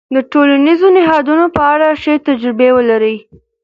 د ټولنيزو نهادونو په اړه ښې تجربې ولرئ.